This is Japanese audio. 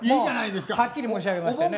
もうはっきり申し上げましてね。